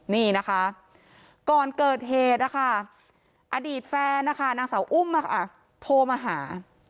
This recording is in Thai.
นี่นะคะก่อนเกิดเหตุนะคะอดีตแฟนนะคะนางสาวอุ้มโทรมาหา